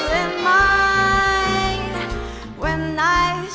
สวัสดีวันนี้ใหม่เธอ